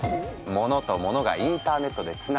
物と物がインターネットでつながる。